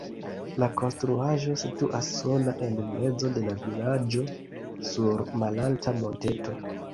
La konstruaĵo situas sola en mezo de la vilaĝo sur malalta monteto.